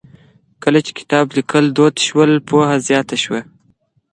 کله چې کتاب ليکل دود شول، پوهه زياته شوه.